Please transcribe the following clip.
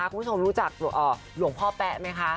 คุณผู้ชมรู้จักหลวงพ่อแป๊ะไหมคะ